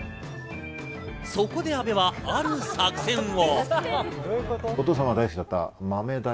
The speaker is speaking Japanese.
そこで阿部はある作戦を。